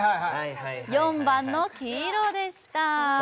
４番の黄色でした。